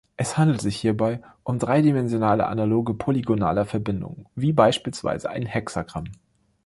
Es handelt sich hierbei um dreidimensionale Analoge polygonaler Verbindungen wie beispielsweise ein Hexagramm.